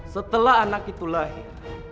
setelah anak itu lahir